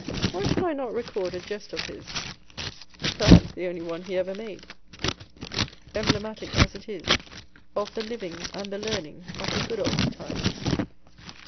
why should I not record a jest of his (perhaps the only one he ever made), emblematic as it is of the living and the learning of the good old times?